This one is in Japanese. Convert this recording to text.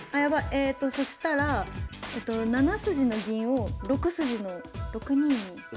えとそしたら７筋の銀を６筋の６二に。